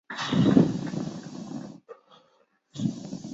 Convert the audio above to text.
勒蒙塔人口变化图示